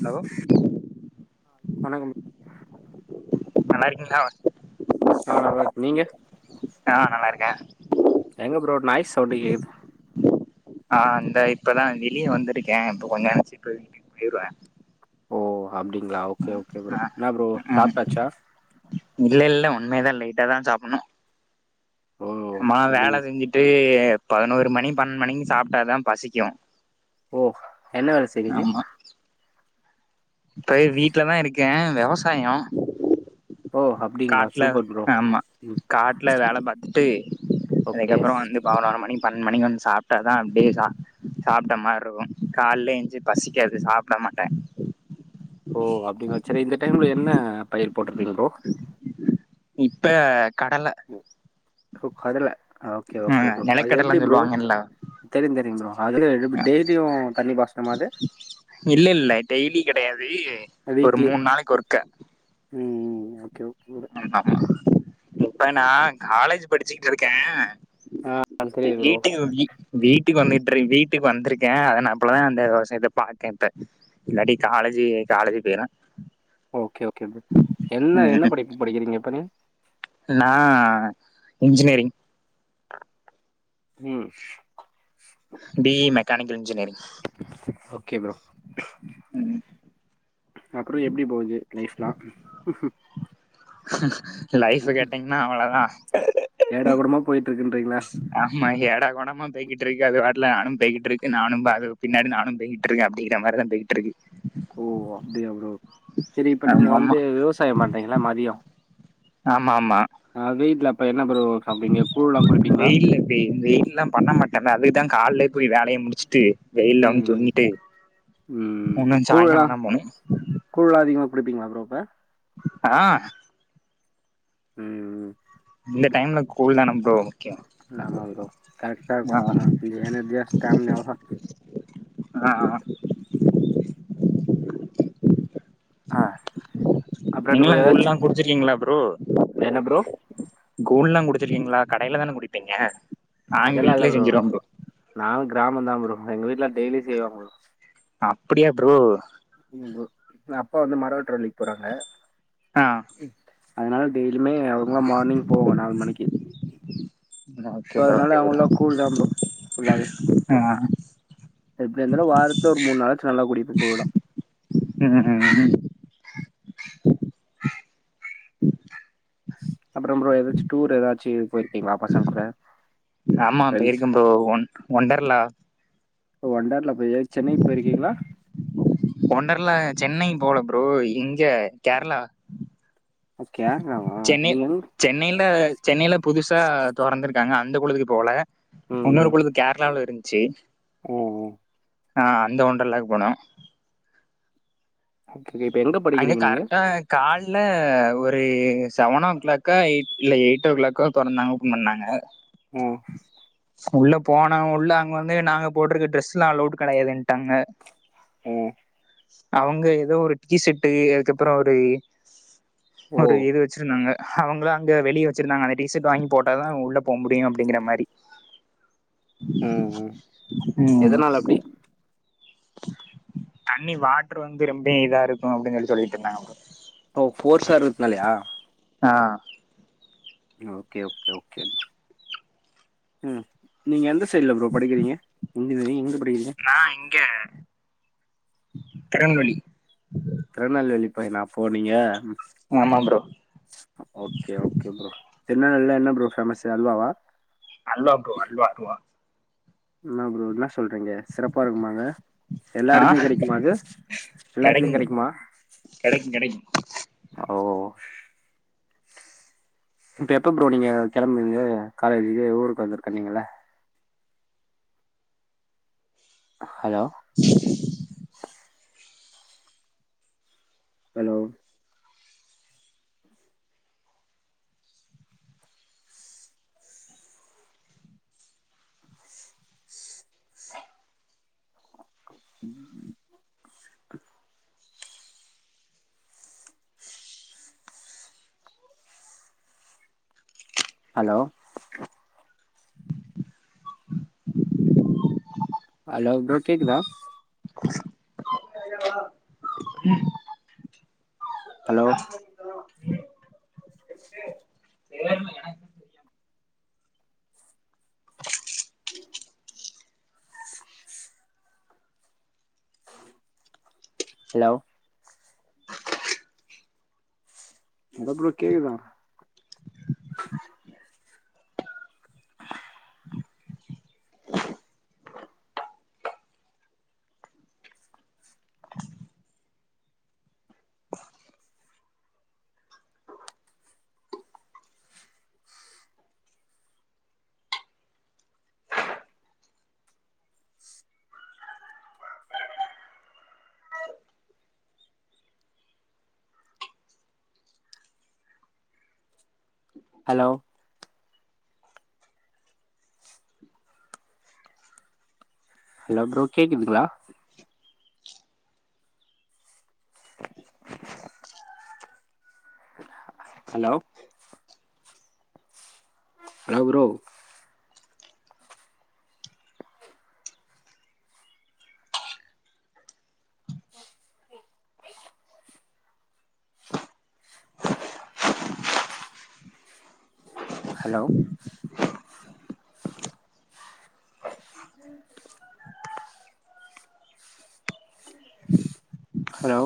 Allow வண்க்கங் நல்லா இருக்கீங்ளா ஆ நல்லருக்கங் நீங்க ஆ நல்லா இருக்கே எங்க ப்ரோ நாய் சவுண்டு கேட்க்குது ஆம் இந்த இப்பதா வெளிய வந்திருக்கே இப்ப கொஞ்ச நேரோ சிக்கர போயிருவே ஓ அப்படிங்களா ஓகே ஓகே ப்ரோ ஆ என்ன ப்ரோ ம். சாப்டாச்சா இல்ல இல்ல உண்மே தா லெட்டா தா சாப்பணு ஓ சும்மா வேல அப்டின்னு செஞ்சுட்டு பதினோரு மணி பண்னெண் மணிக்கு சாப்ட்ட தா பசிக்கு ஓ என்ன வேல செய்றீங்க ஆமா இப்ப வீட்ல தா இருக்கே வெவசாயோ ஓ அப் காட்ல ஆமா காட்ல வேல பாத்துட்டு ஓகே அதுக்கப்றோ வந்து பவனோரு மணி பன்னெண்னு மணிக்கு வந் சாப்டா தா அப்டியே சா சாப்ட்ட மாரி இருக்கு காலயே எழுச்சி பசிக்காது அப்ப விட மாட்டே ஓ அப்டிங்களா செரி இந்த டைம்ல என்ன பயர் போட்டு இருக்கீங்க ப்ரோ இப்ப கடல ஒ கடல ஒகே ஒகே ம் ப்ரோ அது எப்டி நெலக்கடலன்னு ப்ரோ சொல்லுவாங்கல்ல ஆ தெரி தெரிங் ப்ரோ அதுல டெய்லியு தண்ணி பாச்சனு மா அது இல்ல இல்ல டெய்லி கெடையாது ஒரு மூண் நாளைக்கு ஒர்க்க உம் ஓகே ஒகே ஆமா இப்ப நா காலேஜ் படிச்ட்டு இருக்கே அது த தெரியுது ப்ரோ இட்டிங் ஒர்க்கி வீட்டுக்கு வந்துட்டுரு வீட்டுக்கு வந்திருகே அதனப்புல அந்த விவசாயத்த பாத்தே இப்ப இல்லாட்டி காலஜி காலஜி பேய்றே ஓகே ஓகே ப்ரே என்ன என்ன படிப்பு படிக்கிறீங்க இப்ப நீ நா இன்ஜினேரிங் உம் B E mechanical engineering okay bro ம் அப்றோ எப்டி போஜி லைஃப்லா லைஃப் கேட்டீங்னா அவ்ளதா ஏடா கூடமா போயிட்ருக்கின்றீங்ளா ஆமா ஏடா கூடமா பேயிகிட்ருக்கு அது பாட்டுல நானும் போயிக்கிட்ருக்கு நானும் பாது பின்னாடி நானும் பெய் ட்ருக்க அப்டிங்கிற மாரி தா போய்ட்ருக்கு ஓ அப்டியா ப்ரோ செரி இப்ப நீங்க வந்து ஆமா விவசாயம் பண்றீங்ள மதியோ ஆம ஆமா அதே இதுல அப்ப என்ன ப்ரோ சாப்டுவீங்க கூழ்லாம் குடிப்பீங்களா வெயில்ல எப்டி வெயில்லா பண்ண மாட்டனே அதுக்குதா கால்லே போய் வேலைய முடிச்சுட்டு ம் வெய்ல்லாங் ம் தூங்கிட்டு ஒன்னுன் சாய்கால தா போனு கூழ்லா அதிகமாக குடிப்பிங்களா ப்ரோ இப்ப ஆ ம் ம் இந்த டைம்ல கூழ்னான ப்ரோ ஓகே இல்ல ஆமா ப்ரோ கரக்டா இருக்கு அப்பனா இங்கு எனர்ஜியா ஸ்டாம்னாவா ஆ ஹா அ நீங்ளா கூழ்லா குடிச்சிருக்கீங்ளா ப்ரோ என்ன ப்ரோ கூழ்லா குடுச்சிருக்கீங்களா கடையில தான குடிப்பீங்க நாங் வீட்லியே செஞ்சிரோ ப்ரோ நா க்ராம தா ப்ரோ எங்க வீட்ல டெய்லி செய்வாங்கோ அப்படியா ப்ரோ ம் ப்ரோ நா அப்பா வந்து மரவெட்ற வேலைக் போறாங்க ஆ ம் அதனால டெய்லியுமே அவர்லா மார்னிங் போவோ நால் மணிக்கி சோ ஓகே ப்ரோ அதனால ஓகே அவள்தா கூல் தா ப்ரோ ஃபுல்லாவே எஆ எப்டி இருந்தாலு வாரத்துல ஒரு மூண் நாளாச்சு நல்லா குடிப்பே கூழளா ம் ம் ம் ம் அப்றம் ப்ரோ ஏதாச்சு டூர் ஏதாச்சி போய்ர்க்கீங்களா பசங்கூட ஆமா போய்ர்க்க ப்ரோ ஒண் ஒண்டர்லா போ ஒண்டர்லா போயய் சென்னைக் போய்ர்க்கீங்களா ஒண்டர்லா சென்னை போல ப்ரோ இங்க கேரளா அஸ் கேர்ளாவா சென்னை சென்னைய்ல சென்னைய்ல புதுசா தொறந்துருக் காங்க அந்த குழுவுக்கு போல ம் உனொரு ம் குழு கேரளாவ்ல இருந்ச்சி ம் ம் ஆ அந்த ஒண்டர்லாக்கு போனோ ஹோக்கிகி இப்ப எங்கப் அங்க கரக்டாக் கால்ல ஒரு சவனோ க்ளாக்கா எயிட் இல்ல எயிட்டோ க்ளாக்கா தொறந்தாங்க ஓபன் பண்ணாங்க ஓ உள்ள போனா உள்ள அங்க வந்து நாங்க போட்ருக்க ட்ரெஸ்லா அலோட் கெடையாதுன்ட்டாங்க ஓ அவங்க ஏதோ ஒரு டீ செட்டு அதுக்கப்றோ ஒரு ஓ ஒரு இது வச்சிருந்தாங்க அவங்களா அங்க வெளிய வச்சிருந்தாங்க அந்த டி ஸட் வாங்கி போட்டாதா உள்ள போ முடியு அப்படிங்க்ற மாரி ம் ம் உம் எதனால அப்டி தண்ணி வாட்டர் வந்து ரொம்ப இதா இருக்கு அப்டின் சொல்லி சொல்லிட்ருந்தாங்க அவங்க ஓ ஃபோர்சா இருக்நாலயா ஆ ம் ஓகே ஓகே ஓகேம்மா. ம் நீங்க எந்த சைட்ல ப்ரோ படிக்கிறிங்க இன்ஜினியரிங் எங்க படிக்கிறிங்க? நா இங்க திருநெல்வேலி. திருநெல்வேலி பையனா அப்போ நீங்க. ஆமாம் ப்ரோ. ஓகே ஓகே ப்ரோ திருநெல்வேல்ல என்ன ப்ரோ ஃபேமஸ்சு அல்வாவா? அல்வா ப்ரோ அல்வா ப்ரோ டுவா. இன்னா ப்ரோ இன்னாஸ் சொல்றீங்க சிறப்பா இருக்குமா அங்க. எல்லா ஆ எடத்துலியு கெடைக்குமா அது எல்லாத்துலியு ப்ரோ கெடைக்மா? கெடைக்கு கெடைக்கு. இப்ப எப்ப ப்ரோ நீங்க கெளம்புவிங்க காலேஜ்கு ஊருக்கு வந்திருக்கன்னிங்கள்ல. அ ஹலோ? ஹலோ? ம். ஹலோ? ஹலோ ப்ரோ கேக்குதா? [inaudible] ஹலோ? ஹலோ? இந்த ப்ரோ கேக்குதா? ஹலோ? ஹலோ ப்ரோ கேக்குதுங்ளா? Hello? Hello bro? Hello? Hello?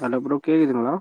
Hello bro கேக்குதுங்ளா?